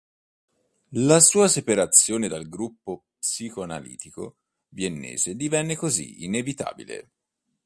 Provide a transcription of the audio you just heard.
La sua separazione dal gruppo psicoanalitico viennese divenne così inevitabile.